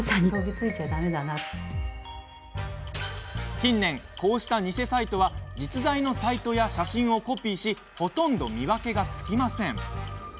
近年、こうした偽サイトは実在のサイトや写真をコピーしほとんど見分けがつきません。